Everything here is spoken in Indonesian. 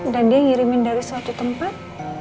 dia ngirimin dari suatu tempat